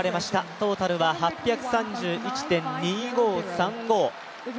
トータルは、８３１．２５３５。